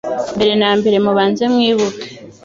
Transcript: Mbere na mbere mubanze mwibuke